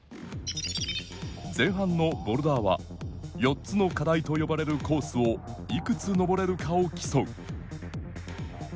前半のボルダーは４つの課題と呼ばれるコースをいくつ登れるかを競う。